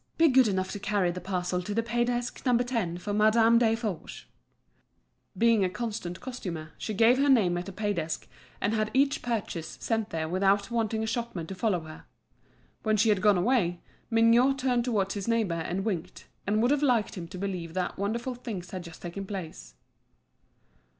Be good enough to carry the parcel to the pay desk No. 10, for Madame Desforges." Being a constant customer, she gave her name at a paydesk, and had each purchase sent there without wanting a shopman to follow her. When she had gone away, Mignot turned towards his neighbour and winked, and would have liked him to believe that wonderful things had just taken place.